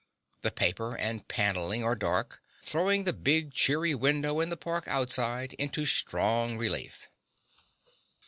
The paper and panelling are dark, throwing the big cheery window and the park outside into strong relief.